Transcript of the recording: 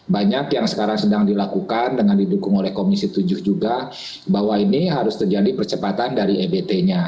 banyak yang sekarang sedang dilakukan dengan didukung oleh komisi tujuh juga bahwa ini harus terjadi percepatan dari ebt nya